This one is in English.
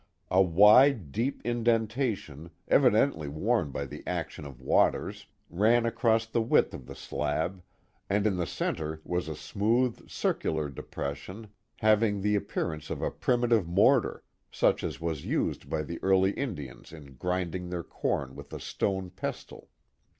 A wide, deep indentation, evidently worn by the action of waters, ran across the width of the slab, and in the centre was a smooth circular depression having the appearance of a primitive mortar, such as was used by the early Indians in grinding their corn with a stone pestle.